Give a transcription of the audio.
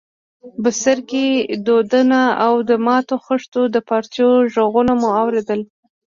بڅرکي، دودان او د ماتو خښتو د پارچو ږغونه مو اورېدل.